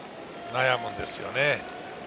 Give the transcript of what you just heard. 悩むんですよね。